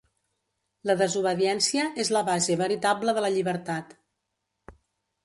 La desobediència és la base veritable de la llibertat.